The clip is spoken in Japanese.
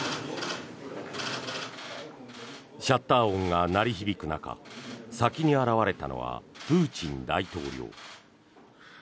シャッター音が鳴り響く中先に現れたのはプーチン大統領。